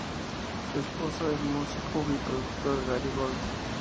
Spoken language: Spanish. Es esposa del músico y productor Gary Gold.